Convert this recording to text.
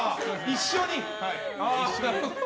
一緒に。